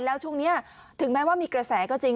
แล้วช่วงนี้ถึงแม้ว่ามีกระแสก็จริง